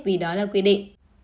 vì đó là quy định